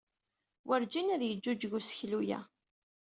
Werǧin ad yeǧǧuǧǧeg useklu-a.